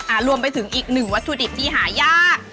อ่ะรวมไปถึงอีก๑วัตถุดิบที่หายาก